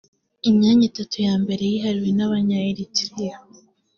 imyanya itatu ya mbere yihariwe n’abanya Eritrea